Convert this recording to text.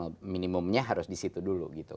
jadi itu minimumnya harus di situ dulu gitu